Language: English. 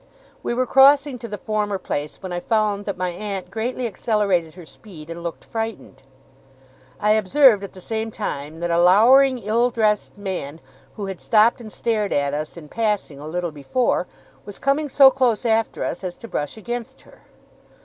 We were crossing to the former place, when I found that my aunt greatly accelerated her speed, and looked frightened. I observed, at the same time, that a lowering ill dressed man who had stopped and stared at us in passing, a little before, was coming so close after us as to brush against her.